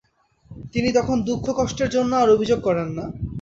তিনি তখন দুঃখকষ্টের জন্য আর অভিযোগ করেন না।